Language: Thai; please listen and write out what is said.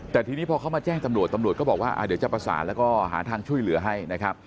แต่ทีนี้พอเขามาแจ้งตำรวจตำรวจก็บอกว่าเดี๋ยวจะประสานแล้วก็หาทางช่วยเหลือให้นะครับ